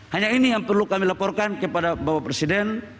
hanya ini yang perlu kami laporkan kepada bapak presiden